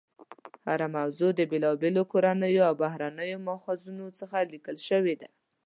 هره موضوع د بېلابېلو کورنیو او بهرنیو ماخذونو څخه لیکل شوې ده.